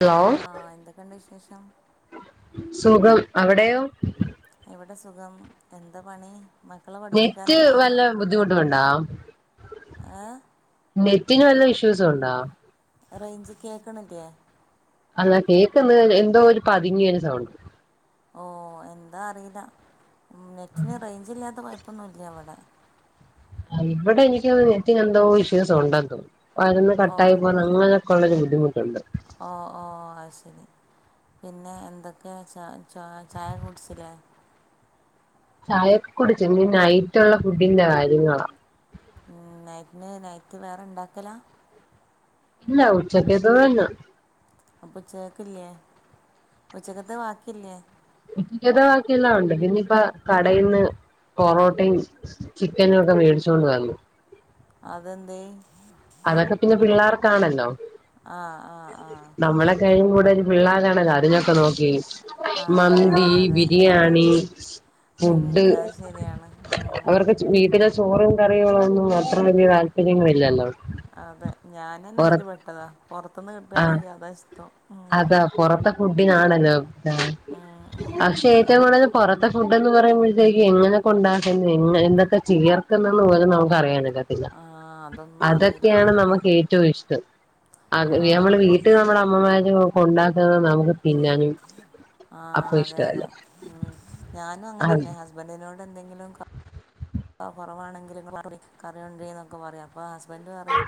Hello ആഹ! എന്തൊക്കെയുണ്ട് വിശേഷം? സുഖം അവിടെയോ? ഇവിടെ സുഖം എന്താ പണി? മക്കളെ നെറ്റ് പഠിപ്പിക്കാനൊക്കെ ആയോ വല്ല ബുദ്ധിമുട്ടുണ്ടോ ഏ നെറ്റിന് വല്ല ഇഷ്യൂസ് ഉണ്ടാ? റേഞ്ച് കേക്കണില്ലേ? അല്ല കേക്കന്ന് എന്തോ ഒരു പതുങ്ങിയ ഒരു സൗണ്ട് ഓ എന്താ അറിയില്ല നെറ്റിന് റേഞ്ച് ഇല്ലാത്ത കുഴപ്പൊന്നും ഇല്ല അവിടെ ഇവിടെ എനിക്ക് തോന്നുന്നു നെറ്റിനു എന്തോ ഇഷ്യുസ് ഉണ്ടെന്ന് തോന്നുന്നു അതൊന്ന് കട്ട ഓ ആയി പോ- അങ്ങനൊക്കള്ളൊരു ബുദ്ധിമുട്ടുണ്ട് ഓ.. ഓ.. അത് ശരി. പിന്നെ എന്തൊക്കെയ ച ച ചായ കുടിച്ചില്ലേ? ചായൊക്കെ കുടിച്ച് ഇനി നൈറ്റുള്ള ഫുഡിന്റെ കാര്യങ്ങളാ ഉ നൈറ്റിന് നൈറ്റ് വേറെ ഇണ്ടാക്കല ഇല്ല ഉച്ചക്കത്തത് തന്ന അപ്പ ഉച്ചേക്കില്ലേ ഉച്ചക്കത്തെ വാക്കില്ലേ ക്കിത്തെ ബാക്കി എല്ലാം ഉണ്ട് പിന്നയിപ്പ കടിയീന്ന് പൊറോട്ടയും ചിക്കനും ഒക്കെ മേടിച്ചുകൊണ്ട് വന്ന് അതെന്തെ അതൊക്കെ പിന്നെ പിള്ളേർക്കാണല്ലോ ആ ആ ആ നമ്മളെ കഴിയുമ്പോ ഇവിടെ ഒരു പിള്ളാരാണ് കരഞ്ഞൊക്കെ നോക്ക ആ യും മന്തി അതെ അതെ ബിരിയാണി ഫുഡ് ഉം അത് ശരിയാണ് ഉം അവർക്ക് വീട്ടിലെ ചോറും കറികളൊന്നും അത്ര വലിയ താല്പര്യങ്ങളില്ലല്ലോ അതെ ഞാനന്നെ പുറ അയല് പെട്ടതാ പുറത്തുന്ന് ആ കിട്ടുകയാണെങ്കി അതാ ഇഷ്ടം ഉം അതാ പൊറത്തെ ഫുഡിനാണല്ലോ ആഹ് ഉം ഉം പക്ഷെ ഉം ഏറ്റവും കൂടുതൽ പൊറത്തെ ഫുഡ് എന്ന് പറയുമ്പോഴത്തേക്ക് എങ്ങനെ ഉണ്ടാക്കുന്ന് എന്തൊക്കെ ചേർക്കുന്നന്ന് പോലും നമുക്ക് അറിയണില്ല ഇല്ല ആഹ് അതൊന്നും അറിയില്ല അതൊക്കെയാണ് നമുക്ക് ഏറ്റവും ഇഷ്ടം അ ആഹ് നമ്മള് വീട്ടിൽ നമ്മുടെ അമ്മമാര് കൊണ്ടാക്കുന്നുന്നത് നമുക്ക് തിന്നാനും ആഹ് അപ്പൊ അതെ അതെ ഇഷ്ടമല്ല ഉം ഞാനും അങ്ങനെന്നെ ഹസ്ബൻഡിനോട് എന്തെങ്കിലും കൊറവാണെങ്കിലും കറിയുണ്ടേ എന്നൊക്കെ പറയാം അപ്പൊ ഹസ്ബൻറ് പറയും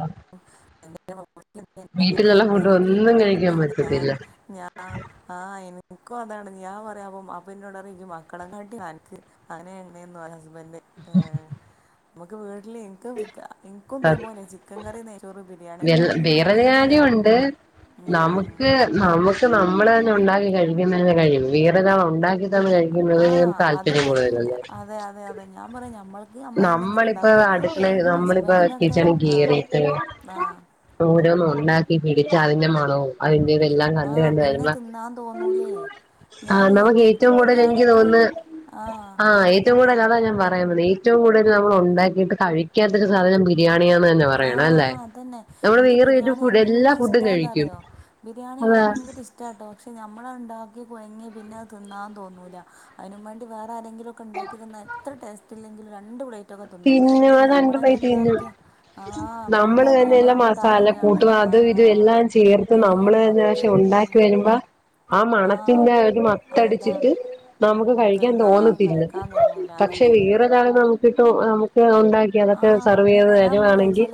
ആഹ് [inaudible] ഉണ്ടാക്കിയാൽ വീട്ടിലുള്ള ഫുഡ് പോരെന്നൊക്കെ ഒന്നും കഴിക്കാൻ പറ്റത്തില്ല ആഹ് ആഹ് എനിക്കും അതാണ് ഞാൻ പറയാ അപ്പൊ വാപ്പ എന്നോട് പറയും മക്കളെ കാട്ടി അനക്ക് അയിന് എന്നെയന്ന ഹസ്ബൻഡ് ഏഹ് നമുക്ക് വീട്ടില് എന്തും കിട്ടാ എനിക്കും ഇതേ പോലെ ചിക്കൻ കറി നെയ്ച്ചോറും വെള് വേറൊരു കാര്യണ്ട് നമുക്ക് നമുക്ക് നമ്മള് തന്നെ ഉണ്ടാക്കി കഴിക്കുന്നതി കഴിക്കും വേറൊരാള് ഉണ്ടാക്കി അങ്ങനെ ആ കഴിക്കുന്നതിൽ ഞാൻ അത് താല്പര്യം ഭയങ്കര കൂടുതല്ലല്ലേ അതെ അതെ അ അതെ ഞാൻ പറയും ഞമ്മള് നമ്മളിപ്പോ അടുക്കളെ നമ്മളിപ്പോ ഹസ്ബൻഡിനൊക്കെ കിച്ചണി ആ കേറിയിട്ട് ആ ഓരോന്ന് ഉണ്ടാക്കി പിടിച്ച് അതിന്റെ മണവും അതിന്റെ ഇതെല്ലാം ആ കണ്ട് കണ്ട് പിന്നെ വരമ്പ തിന്നാൻ തോന്നൂലേ ഞാൻ ആഹ് നമുക്ക് വിചാരിക്ക എനിക്ക് ഏറ്റവും കൂടുതൽ എനിക്ക് ബിരിയാണിയൊക്കെ തോന്ന് ആ ആഹ് എ ഇൻ- ഏറ്റവും കൂടുതൽ അതാ ഞാൻ പറയവന്ന ഏറ്റവും കൂടുതൽ നമ്മള് ഉണ്ടാക്കിയിട്ട് കഴിക്കാതെസാനം ബി ബിരിയാണിയാന്ന് തന്നെ ആ പറയണം അല്ലേ അതന്നെ നമ്മള് എനിക്ക് വേരെ ഒരു ബിരിയാണി ഫുഡ് എല്ലാ എന്ത് ഫുഡും കഴിക്കും ഇഷ്ടാന്നറിയോ ബിരിയാണി അതാ ഭയങ്കര ഇഷ് ഇഷ്ടട്ടോ പക്ഷെ നമ്മള ഉണ്ടാക്കി കുഴിങ്ങി പിന്നെ തിന്നാന്ന് തോന്നൂല്ല അതിനു വേണ്ടി വേറെരെങ്കിലു ഉണ്ടാക്കിതന്ന എത്ര ടേസ്റ്റ് ഇല്ലങ്കിലും രണ്ട് പ്ലേറ്റ് ഒക്കെ തിന്നും പക്ഷെ അത് നമ്മൾ അണ്ടമായി തന്നെ തിന്നും ഉണ്ടാക്കിയ ആ നമ്മള് നമ്മളുണ്ടാക്കി തന്നെ എല്ലാം നമ്മളാണ്ട് മസാല തളരാണ് കൂട്ടും ആ അതും ഇതും എല്ലാം ചേർത്ത് എല്ലാം നമ്മള് തന്നെ മണത്ത് പക്ഷെ ഒണ്ടാ ക്കി ഉം. വരുമ്പ ആഹ് ആ മണത്തിന്റെ പി ഒരു മത്തടിച്ചിട്ട് അതാണ് നമുക്ക് കഴിക്കാൻ തിന്നാൻ തോന്നത്തില്ല കഴിക്കാൻ തോന്നൂല പക്ഷെ അതന്നെ വേറൊരാൾ നമിക്കിപ്പോ ഒണ്ടാക്കി ആ അതൊക്കെ സെർവ് ചെയ്ത് ഞാൻ പറയാം തരുവാണെങ്കിൽ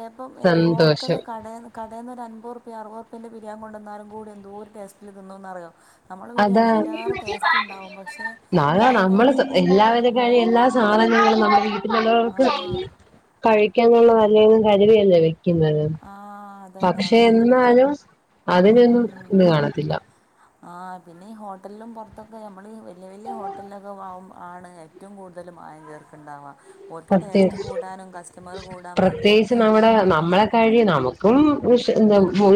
സന്തോഷം കടെന്ന് ഒരു അമ്പപത്റുപ്പ്യ അറുപറുപ്പ്യന്റെ ബിരിയാം കൊണ്ടുവന്നാലും കൂടെ എന്തോ ഒരു ടെസ്റ്റിൽ തിന്നുന്നറിയോ നമ്മളെ അതാ ബിരിയാണി ആയിലേറെ ടേസ്റ്റ് ഉണ്ടാവും പക്ഷേ ഇത് തന്നെയാണ് നാ ഉം സാധങ്ങള് നമ്മുടെ ആ വീട്ടിലുള്ളവർക്ക് കഴിക്കാനുള്ളതല്ലെന്ന് കരുവിയല്ല വെയ് ക്കുന്നത് ആ അതന്നെ പക്ഷെ അതന്നെ എന്നാലും അതിനൊന്നും ഇത് കാണത്തില്ല ആഹ് പിന്നെ ഈ ഹോട്ടലും പുറത്തൊക്കെ നമ്മള് വല്ല്യ വല്ല്യ ഹോട്ടലൊക്കെ വാം ആണ് ഏറ്റവും കൂടുതൽ മായം ചേർക്കുണ്ടാവുക ഒർക്ക് പ്രത്യേ ടേസ്റ്റ് കൂടാനും കസ്റ്റമറ് കൂടാൻ വേണ്ടിയും ആഹ് കഴി നമു കുംമുഷ്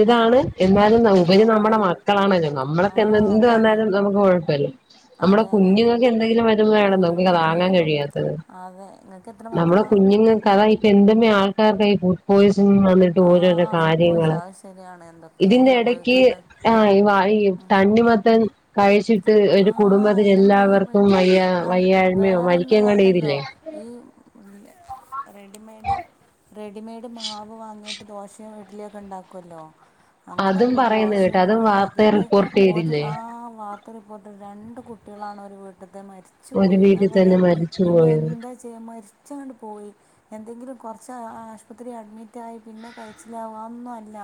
ഇതാണ് എന്നാലും ആ ഇവരി ആ നമ്മടെ മക്കളാണല്ലോ ആ നമ്മളൊക്കെ എ എന്ത് അതാണ് വന്നാലും നമ്മ കുഴപ്പമല്ല നമ്മുടെ അതെ അതെ കുഞ്ഞുങ്ങൾക്കെ എന്തെങ്കിലും വരുബഴാണ് ഉം, നമുക്കക്കെ താങ്ങാൻ ഉം. കഴിയാത്തത് അതെ - നമ്മളെ കുഞ്ഞുങ്ങൾക്ക് അതാ ഇപ്പൊ എന്തേമ്മ ആൾക്കാർക്ക ഫുഡ് പോയിസൺ ന്നിട്ട് ആ ഓരോരോ ഫുഡ് പോയ്സൺ കാര്യങ്ങള് അത് ശരിയാണ് എന്തൊക്കെ ഇതിന്റെ ഇടക്ക് സംഭവിക്കുന്നുണ്ട് ആഹ് ഈ വാ ഈ തണ്ണിമത്തൻ കഴിച്ചിട്ട് ആ ഒരു കുടുംബത്തിലെ എന്തൊക്കെ എല്ലാവർക്കും പറ്റി വയ്യ അത് വയ്യായ്മയോ മരിക്ക വേറൊന്ന് എങ്ങാണ്ട് കേട്ടല്ലോ ചെയ്തില്ലേ ഈ ഉം റെഡിമെയ്ഡ് റെഡിമെയ്ഡ് മാവ് വാങ്ങിയി- ദോശയും ഇഡ്ലി ഒക്കെ ഉണ്ടാക്കുല്ലോ അങ്ങനെ അതും പറയുന്ന ദോശയും കേട്ട് ഇഡലി അതും വാർത്ത ഉണ്ടാക്കിയിട്ട് റിപ്പോർട്ട് ഒരു ചെയ്തില്ലേ ആഹ വാർത്ത- പോട്ടെ രണ്ട് കുട്ടികളാണ് ഒരു വീട്ടത്തെ മരിച്ചു ഒരു പോയെ ഞാൻ വീട്ടിൽ പറയാ തന്നെ മരിച്ചു പിന്നെ പോയത് എന്താചെ യ്യ മരിച്ചാങ്ങട്ട് പോയി എന്തെങ്കിലും കുറച്ച് ആശുപത്രി അഡ്മിറ്റ് ആയി പിന്നെ കയിച്ചിലാവ അതൊന്നും അല്ല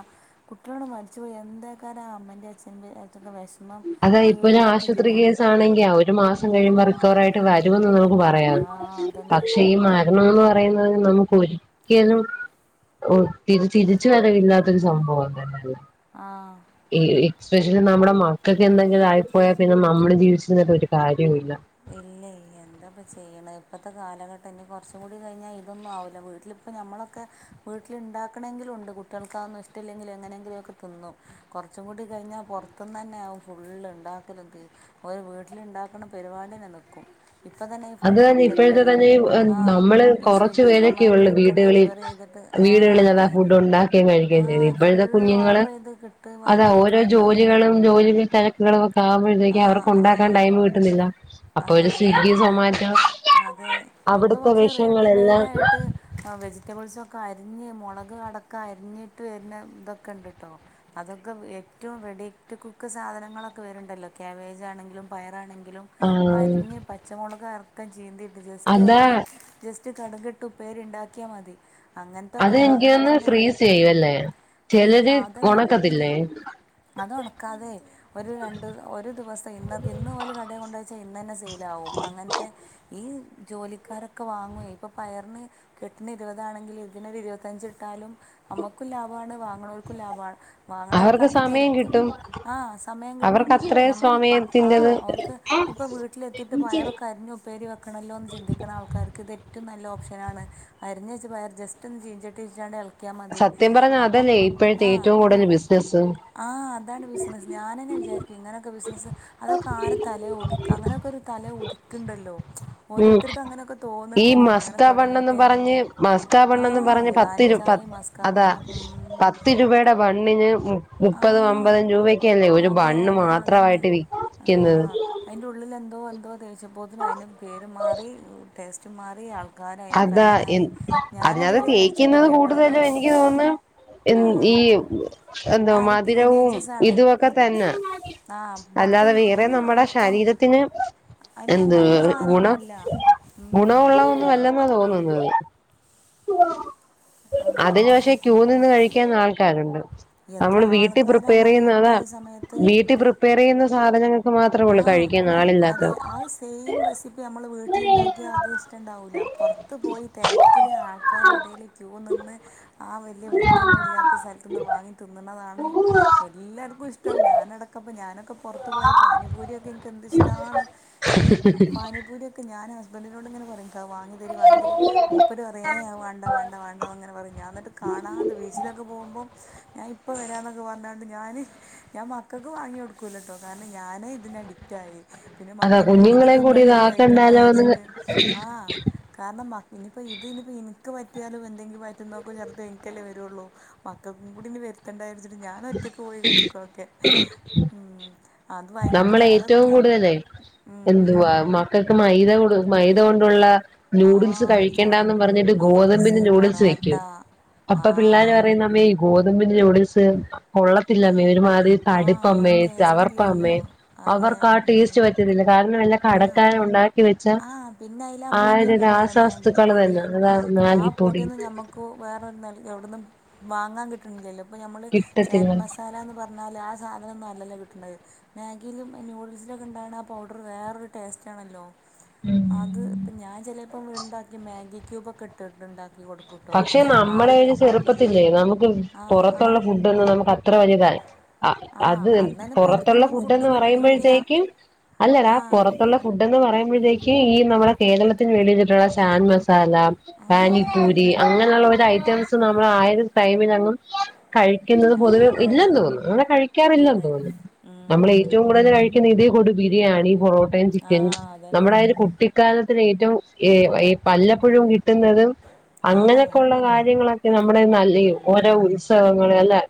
കുട്ടികള് മരിച്ചു പോയി എന്താക്കാരം ആ അമ്മേന്റേം അച്ഛന്റേം എറ്റക്കെ വെഷമം തീർ- ആശുത്രി കേസ് ആണെങ്കി ആ ഒരു മാസം കഴിയ്മ്പോ റിക്കവർ ആയിട്ട് വരുമന്ന് നമ്മുക്ക് പറ- പറയാം ആ അതന്നെ പക്ഷെ ഈ മരണം എന്ന് പറയുന്നത് നമുക്ക് ഒരിക്കലും ഓ തി തിരിച്ചു വരവ് ഇല്ലാത്തൊരു സംഭവം തന്നെല്ലേ ആഹ് ഈ എക്സ്പെഷ്യലി നമ്മടെ മക്കൾക്ക് എന്തെങ്കിലും ആയിപ്പോയാൽ പിന്നെ നമ്മള് ജീവിച്ചിരുന്നിട്ട് ഒരു കാര്യവും ഇല്ല ഇല്ല ഇല്ല എന്താ ഇപ്പം ചെയ്യണേ ഇപ്പോഴത്തെ കാലഘട്ടംഇനി കൊറച്ചുകൂടി കഴിഞ്ഞാൽ ഇതൊന്നും ആവില്ല വീട്ടിലിപ്പം നമ്മളൊക്കെ വീട്ടിലുണ്ടാക്കണെങ്കിലുണ്ട് കുട്ടികൾക്കാന്നും ഇഷ്ടമില്ലെങ്കിലും എങ്ങനെങ്കിലുഒക്കെ തിന്നും കൊറച്ചും കൂടി കഴിഞ്ഞാൽ പുറത്തുന്ന് തന്നെയ ആകും ഫുള്ള് ഇണ്ടാക്കലും തി ഒരു വീട്ടിലിണ്ടാക്കുന്ന പരുപാടിന്നെ നിൽക്കും ഇപ്പം തന്നെ ഈ ഫ്ല അത് തന്നെ ഫുഡ് ഇപ്പോഴ്ത്തെ ഡെലിവറിയും തന്നെ ഈ ആ നമ്മള് ഈ കൊറച്ച് സ്വിഗ്ഗി സൊമാറ്റോ പേരൊക്കെയെഉള്ളു ഒക്കെ വീടുകളിൽ ഡെലിവറി ചെയ്തിട്ട് ആ വീടുകളിലാതാ അതെ ഫുഡ് ഉണ്ടാക്കേം ആ കഴിക്കുകയും ചെയ്യുന്നത് ഇപ്പോഴത്തെ ഫുള്ള് കുഞ്ഞുങ്ങള് ഓർഡർ ചെയ്ത് കിട്ടി അതാ വാങ്ങി ഓരോ തിന്നല്ലേ ജോലികളും ജോലിക്കും തിരക്കുകളൊക്കെ ആ ആവുമ്പോഴത്തേക്ക് അവർക്ക് ആ ഉണ്ടാക്കാൻ ടൈംമ് കിട്ടുന്നില്ല അതെ അപ്പോര് അതെ സ്വിഗി- സൊമാറ്റോ അതെ ഇപ്പൊ പക്ഷെ റെഡിമെയ്ഡ് വിഷയങ്ങളെല്ലാം ആയിട്ട് ആ വെജിറ്റബിൾസൊക്കെ അരിഞ്ഞ് മുളക് അടക്കം അരിഞ്ഞിട്ട് വരുന്ന ഇതൊക്കെ ഉണ്ട് കേട്ടോ അതൊക്കെ ഏറ്റവും റെഡി റ്റു കുക്ക് സാധനങ്ങളൊക്കെ വരുന്നുണ്ടല്ലോ ക്ബേജ് ആണെങ്കിലും പയറാണെങ്കിലും ആ അരിഞ്ഞ് പച്ചമുളക് അറക്കം ചീന്തിട്ട് ജസ്റ്റ് അതാ അവർക്ക് ജസ്റ്റ് കട്കിട്ട് ഉപ്പേരി ഇണ്ടാക്കിയാൽ മതി അങ്ങനത്തൊക്കെ അത് വാങ്ങണ എനിക്കൊന്ന് തന്നെ ഫ്രീസ് ചെയ്യും ഉം അല്ലേ ഫ്രീ ചിലര് അതല്ല ഈ ഉണക്കത്തില്ലേ അത് ഉണക്കാതെ ഒരു രണ്ട് ഒരു ദിവസം ഇന്ന് ഇന്ന് ഓല് കടയി കൊണ്ട വച്ചാൽ ഇന്ന തന്നെ ചെയും ലാവും അങ്ങനത്തെ ഈ ജോലിക്കാരൊക്കെ വാങ്ങുവെ ഇപ്പൊ പയറിന് കെട്ടിന് ഇരുപതാണെങ്കിൽ ഇതിനൊരു ഇരുപത്തഞ്ച് ഇട്ടാലും നമ്മുക്കും ലാഭമാണ് വാങ്ങുണോൽക്കും ലാഭമാണ് വാങ്ങണ അവർക്ക് ആൾക്കാർക്ക് സമയം തിരക്കും കിട്ടും ആ സമയം കിട്ടും അവർക്ക് അത്രേ ഞമ്മൾ ആ സമയത്തിന്റത് ഓല്ക്ക് ഇപ്പൊ വീട്ടിലെത്തിയിട്ട് പയറൊക്കെ അരിഞ്ഞു ഉപ്പേരി വെക്കണല്ലോ എന്ന് ചിന്തിക്കണ ആൾക്കാർക്ക് ഇത് ഏറ്റവും നല്ല ഓപ്ഷനാണ് അരിഞ്ഞ് വെച്ച പയർ ജസ്റ്റ് ഒന്ന് ചീൻചട്ടിലിട്ടാണ്ട് എള സത്യം പറഞ്ഞ അതല്ലേ ഇപ്പോഴത്തെ ഏറ്റവും കൂടുതൽ ബിസിനസ്സ് ആ് അതാണ് ബിസിനസ്സ് ഞാനെന്നെ വിചാരിക്കും ഇങ്ങനെയൊക്കെ ബിസിനസ്സ് അതൊക്കെ ആരെ തലേ ഉദിക്കി അങ്ങനെയൊക്കെ ഒരു തല ഉദിക്ക്ണ്ടല്ലോ ഉം ഈ അങ്ങനെ മസ്ക ബണ് തുടങ്ങട്ടെ എന്നും പറഞ്ഞ് എന്നൊക്കെ മസ്കാ ആ ബണ് എന്നും പറഞ്ഞ് ഇറാനി പത്ത പ ചായയും മസ്കാ അതാ ബണ്ണും ഉം. പത്ത് രൂപയുടെ ബണ്ണിന് ആ മുപ്പതും അമ്പതും രൂപ ഒക്കെല്ലേ ഒരു അതെ ബണ്ണ് അതെ അതന്നെ മാത്രമായിട്ട് ആ വിക്കുന്നത് അതിൻ്റെ ഉള്ളിൽ എന്തോ എന്തോ തേച്ചപ്പോത്തിന് അയിന് പേര് മാറി ടേസ്റ്റ് മാറി ആൾക്ക അതാ അതിനത് തേക്കുന്നത് കഴിച്ചിട്ടില്ല കേട്ടോ അത് കൂടുതലും എനിക്ക് തോന്നുന്നു എ ആ ഈ എന്ത ആ ഈ മധുരവും ടീനേജേഴ്സാണ് ഇതുവൊക്കെ തന്നെ ആഹ് മൊത്തം അല്ലാതെ ഈ വേറെ ടീനേജ് നമ്മുടെ ഇപ്പം ശരീരത്തിന് അല്ല എന്ത് നല്ല ഗുണ സാധനൊന്നും അല്ല ഗുണം ഉം ഉള്ളൊതൊന്നും അല്ലെന്നാ തോന്നുന്നത് ആഹ് അതിനു പക്ഷെ ക്യൂ നിന്ന് കഴിക്കാൻ ആൾക്കാരുണ്ട് എത്ര നമ്മള് വീട്ടിൽ ആൾക്കാരാണ് പ്രിപ്പയർ അത് ചെയ്യുന്ന അതാ ഹിറ്റായ സമയത്ത് വീട്ടിൽ പ്രിപ്പയർ ചെയ്യുന്ന സാധനങ്ങൾ ആഹ് അതെ ആ സെയിം റെസിപ്പി നമ്മൾ വീട്ടിലുണ്ടാക്കി അത് ഇഷ്ടണ്ടാവൂല്ല പുറത്ത് പോയി തിരക്കില് ആൾക്കാരെടെൽ ക്യൂ നിന്ന് ആ വലിയ വൃത്തിയൊന്നും ഇല്ലാത്ത സ്ഥലത്ത്ന്ന് വാങ്ങി തിന്നണതാണ് എല്ലാർക്കും ഇഷ്ട ഞാനടക്കപ്പോൾ ഞാനൊക്കെ പുറത്ത് പോയ പാനിപൂരിയൊക്കെ എനിക്ക് എന്ത് ഇഷ്ടാണ് ഈ പാനിപൂരിയൊക്കെ ഞാൻ ഹസ്ബൻഡിനോട് ഇങ്ങനെ പറയും ക്ക് അത് വാങ്ങി തരിന്ന് വാങ്ങി തരി മൂപ്പര് ഏഹ് വേണ്ട വേണ്ട വണ്ട അങ്ങനെ പറയും ഞാൻ എന്നിട്ട് കാണാതെ ബിച്ചിലൊക്കെ പോകുമ്പോം ഞാൻ ഇപ്പ വരാന്നൊക്കെ പറഞ്ഞണ്ട് ഞാന് ഞാൻ മക്കൾക്ക് വാങ്ങി കൊടുക്കൂലട്ടോ കാരണം എനി ഞാനെ ഇതിന് അഡിക്റ്റയി പിന്നെ അതാ മക്കളും കൂടി ഇന്നത് കുഞ്ഞുങ്ങളെയും ഇത് കഴിക്കണ്ട ഇതാക്കണ്ടാലോന്ന് വിചരിച്ചിട്ട് ആഹ് കാരണം ഇനിപ്പോ ഇതിനിയിപ്പോ എനിക്ക് പറ്റിയാലും എന്തെങ്കിലും വയറ്റ്ന്നൊക്കെ ഛർദിയും എനിക്കല്ലേ വരുള്ളൂ മക്കക്കും കൂടി ഇനി വരുത്തണ്ടാവിയയിരിച്ചിട്ട് ഞാൻ ഒറ്റക്ക് പോയി കഴിക്കു ഒക്കെ നമ്മള് ഏറ്റവും കൂടുതലേ ഉം, ഉം. എന്തുവാ ക്കള്ക്ക് മൈദ മൈദ കൊണ്ടുള്ള ആ നൂഡിൽസ് സാ കഴിക്കണ്ടാന്ന് പറഞ്ഞിട്ട് ഗോതമ്പിന്റെ നൂഡിൽസ് നൂഡിൽസ് പൊറാട്ട വെക്കും ആ അപ്പ പിള്ളേര് പറയും അമ്മേ ഗോതമ്പിന്റെ നൂഡിലീസ് ആ കൊള്ളത്തില്ലമ്മേ ഒരുമാതിരി ആ തടിപ്പ അമ്മേ അത് ടേസ്റ്റ് ചവർപ്പ് പ്പമ്മേ ഇല്ലല്ലോ അതെ അവർക്കാ ടെസ്റ്റ് ഉം. പറ്റുന്നില്ല കാരണം ഇല്ല കടക്കാരുണ്ടാക്കി വെച്ച ആ പിന്നെ അയില് ആ ഒരു പൊടിയൊക്കെ രാസവസ്തുക്കൾ തന്നെ അതാ മാഗി പോട്ടെന്ന് ഞാ നമ്മക്ക് വേറെവിടെന്നും വാങ്ങാൻ കിട്ടണില്ലല്ലോ അപ്പൊ നമ്മള് കിട്ടത്തില്ല ചാറ്റ് മസാലന്ന് പറ- ഞ്ഞാൽ ആ സാധനം ഒന്നും അല്ലല്ലോ കിട്ടണത് മാഗിലും നൂഡിൽസിലൊക്കെ ഉണ്ടാവണ ആ പൗഡർ വേറൊരു ടേസ്റ്റ് ആണല്ലോ അത് ഇപ്പ ഞാൻ ചിലപ്പോ ഇണ്ടാക്കി മാഗി ക്യൂബൊക്കെ ഇട്ടട്ട് ഇണ്ടാക്കി കൊടുക്കും പക്ഷെ നമ്മളയൊരു ചെറുപ്പത്തില്ലേ നമുക്ക് ആ ആ പുറത്തുള്ള ഫുഡോന്നും നമുക്ക് അത്ര വലുതായ അ ആ അത് അന്നന്നെ പൊറത്തുള്ള പുറത്തുന്നും ഫുഡ് ഫുഡ്ന്ന് കിട്ടൂല്ല പറയുമ്പോഴ്ത്തേക്കും അല്ലടാ ആ പൊറ ത്തുളള ഫുഡ് എന്ന് പറയുമ്പോഴത്തേക്ക് ഈ നമ്മുടെ കേരളത്തിന് വെളിയിലയിട്ടുള്ള ചാൻ മസാല സാല ആ അതെ പാനിപ്പൂരി അങ്ങനെഉള്ള ഒരു ഐറ്റംസും നമ്മളാ ആയോരു ടൈമിൽ എങ്ങും കഴിക്കുന്നത് ആ പൊതുവേ ഇല്ലേന്ന് ആ തോന്ന് അങ്ങനെ കഴിക്കാറില്ലന്ന് അതെ തോന്നുന്നു ഉം നമ്മള് ഉം ഏറ്റവും കൂടുതല് കഴിക്കുന്ന ഇതി കൂടു ബിരിയാണി പൊറോട്ടയും ആ ചിക്കനും അതന്നെ നമ്മുടെ ഒരു കുട്ടി ഇ കാലത്തില് ഏറ്റവും എ എ വല്ലപ്പോഴും കിട്ടുന്നതും ആ അങ്ങനെയൊക്കെ ഉള്ള കാര്യങ്ങളൊക്കെ നമ്മുടെ നല്ല ഇ ഓരോ ഉത്സവങ്ങള് അല്ലേ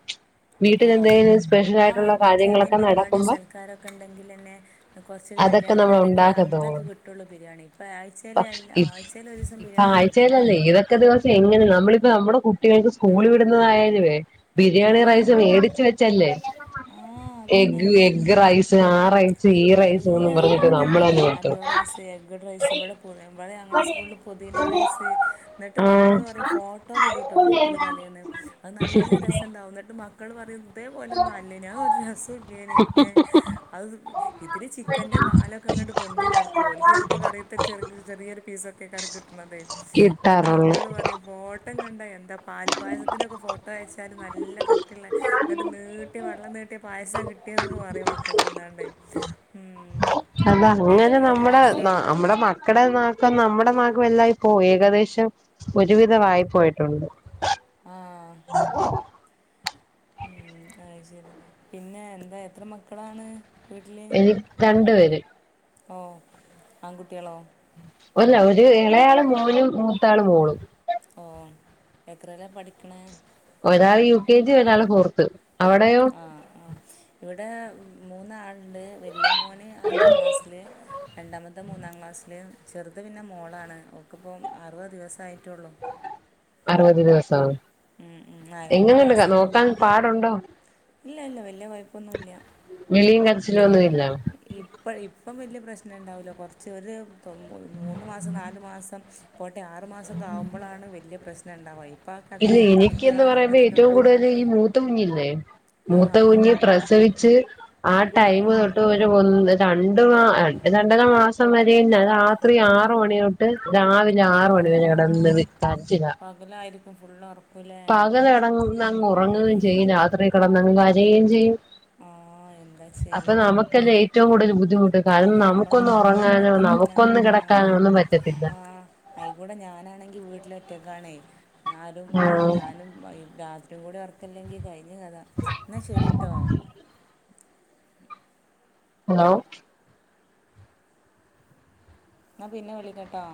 ആഹ് ആഹ് വീട്ടില് എന്തേലും കാര്യങ്ങളൊക്കെ പരിപാടി നടക്കുമ്പോ സൽക്കാരൊക്കെ ഉണ്ടെങ്കിലന്നെ കൊറച്ചൊരു അതൊക്കെ കല്യാണൊക്കെ നമ്മൾ ഉണ്ടെങ്കില് ഉണ്ടാക്കത്തോളൂ അന്നൊക്കെ കിട്ടുള്ളൂ ബിരിയാണി ഇപ്പോ ആഴ്ച്ചേല് അൽ അ ആഴ്ച്ചല് ഒരു ദിവസം ബിരിയാണി നിർ ഴ്ച്ചേലല്ലേ എതൊക്കെ ദിവസം എങ്ങനെ നമ്മളിപ്പ നമ്മുടെ കുട്ടികൾക്ക് സ്കൂളിൽ വിടുന്നതായാലുവേ ആ ബിരിയാണി റൈസ് മേടിച്ച് വെച്ചല്ലേ ആ അതന്നെ എഗ് എഗ് ഉം റൈസ് ആ റൈ സ് ഈ റൈസുന്നും പറഞ്ഞിട്ട് നമ്മള് തന്നെ കൊടുത്തത് ദെ എഗ് റൈസ് ഇവിടെ മുഴുവൻപെര് ഞങ്ങളുടെ സ്കൂളില് പുതീന റൈസ് എന്നിട്ട് ആഹ് മക്കൾ പറയും ഫോട്ടോ വിടുട്ടോ ഗ്രൂപ്പിൽ തലേന്ന് അത് നല്ല രസണ്ടാവും എന്നിട്ട് മ മക്കള് പറയും ഇതേപോലൊന്നും അല്ലേനി അത് ഒരു രസ ഇല്ലേനി അത് ഇതില് ചിക്കൻ്റെ കാലൊക്കെ ഇങ്ങട്ട് പൊന്തി കിടക്കും ഓൽക്ക് ചിലപ്പോൾ കറിയത്തെ ചെറക് ചെറിയൊരു പീസൊക്കെ ആയിക്കാരം കിട്ടണതേ എന്നിട്ട് കിട്ടാറുള്ളൂ മക്കള് പറയും ഫോട്ടോം കണ്ടാ എന്താ പാൽപ്പായസത്തിനൊക്കെ ഫോട്ടോ അയച്ച് ട്ടാനും നല്ല കട്ടിയുള്ള എന്നിട്ട് നീട്ടിയ വെള്ളം നീട്ടിയ പായസം കിട്ടിയെന്നൊക്കെ പറയും മക്കള് വന്നാണ്ടേ ഉം അത അങ്ങനെ ഏതായാലും നമ്മുടെ ന രസാണ് നമ്മുടെ മ ക്കടെ നാക്കും നമ്മുടെ നാക്കും എല്ലാം ഇപ്പോ ഏകദേശം ഒരു വിധവായി പോയിട്ടുണ്ട് ആഹ് ഉം അത് ശരി പിന്നെ എന്താ എത്ര മക്കളാന്ന് വീട്ടില് എനിക്ക് രണ്ടു പേര് ആഹ് ആൺകുട്ടിയളോ ഒ അല്ല ഒരു ഇളയാള് മോനും മൂത്ത ആള് മോളും ഓ എത്രയില പഠിക്ക്ണേ? ഒരാള് യു കെ ജി ഒരാളാ ഫോർത്ത് അവിടെയോ? ആഹ് ആഹ് ഇവിടെ മൂന്നാളുണ്ട് വലിയ മോന് അഞ്ചാം ക്ലാസ്സില് രണ്ടാമത്തെ മൂന്നാം ക്ലാസ്സില് ചെറുത് പിന്നെ മോളാണ് അവക്കിപ്പം അറുപത് ദിവസയിട്ടൊള്ളൂ അറുപത് ദിവസവോ ഉം ഉം ആഹ് രണ്ട് എങ്ങനുണ്ട് ക മാസം നോക്കാൻ പാടുണ്ടോ ഇല്ല ഇല്ല വല്യ കൊയ്പൊന്നുല്ല വിളിയും ഉം കരച്ചിലും ഒന്നും ഇല്ല ഇ ഇപ്പ ഇപ്പം വലിയ പ്രശ്നം ഉണ്ടാവില്ല കൊറച്ച് ഒരു തൊ മൂന്ന് മാസം നാലു മാസം പോട്ടെ ആറ് മാസമൊക്കെ ആകുമ്പോളാണ് വലിയ പ്രശ്നം ഉണ്ടാവുക ഇപ്പ ഇല്ല എനിക്ക് എന്ന് പറയുമ്പോ ഏറ്റവും കൂടുത ല്ലേ ഈ മൂത്ത കുഞ്ഞില്ലേ ആ മൂത്ത ആ കുഞ്ഞ് പ്രസവിച്ച് ആഹ് ഉം, ടൈമ് ഉം. തൊട്ട് ഒരു മു മ് രണ്ട് മാ രണ്ട് രണ്ടര മാസം വരെയും രാത്രി ആറ് മണിതൊട്ട് രാവി ലെ ആറ് മണി വരെ കടന്ന് വി കരച്ചില ലായിരിക്കും ഫുളള് ഒറ പകല് കടങ്ങുന്നങ്ങ് ഉറങ്ങുകയും ചെയ്യും രാത്രി കടന്നങ്ങ് കരയും ചെയ്യും ആ എന്താ അപ്പ ചെയ്യണേ നമുക്കല്ലെ ഏറ്റവും കൂടുതല് ബു ദ്ധിമുട്ട് കാരണം അത് നമ്മൾക്ക് നമുക്കൊന്ന് ഉറങ്ങാൻ ഉറങ്ങാനോ പറ്റുന്നില്ല നമുക്കൊന്ന് കിടക്കാനോ ഒന്നും പറ്റത്തില്ല അയികൂടെ ഞാനാണെങ്കില് വീട്ടില് ഒറ്റക്കണേ ഞാനും ആ ആഹ് ഞാനും രാ ന്റെ കൂടി ഉറക്കില്ലെങ്കിൽ കഴിഞ്ഞ് കഥ എന്നാ ശരിട്ടോ ലോ ന്ന പിന്നെ വിളിക്കട്ടോ